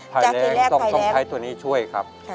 ภายแรงต้องใช้ตัวนี้ช่วยครับ